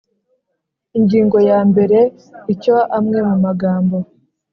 Ingingo ya mbere Icyo amwe mu magambo